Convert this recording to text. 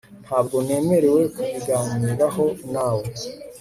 Ntabwo nemerewe kubiganiraho nawe